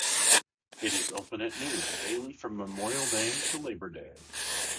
It is open at noon daily from Memorial Day to Labor Day.